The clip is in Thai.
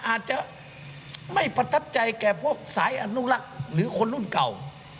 อาจจะไม่ประทับใจแก่พวกสายอนุรักษ์หรือคนรุ่นเก่า